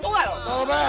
itu apa loh